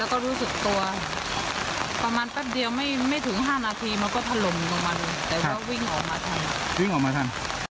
แล้วก็รู้สึกตัวประมาณแป๊บเดียวไม่ถึง๕นาทีมันก็ถล่มลงมาดูแต่ก็วิ่งออกมาทัน